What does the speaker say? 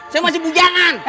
saya masih bujangan